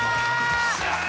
よっしゃー！